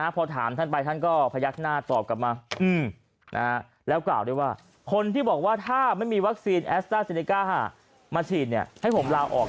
พอถามท่านไปท่านก็พยักหน้าตอบกลับมาแล้วกล่าวด้วยว่าคนที่บอกว่าถ้าไม่มีวัคซีนแอสต้าเซเนก้ามาฉีดให้ผมลาออก